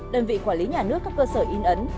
đơn vị quản lý nhà nước các cơ sở in ấn